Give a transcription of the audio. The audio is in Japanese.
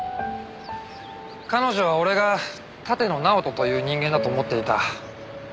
彼女は俺が立野尚人という人間だと思っていた。